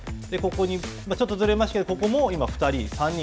ここにちょっとずれますがここも今、２人。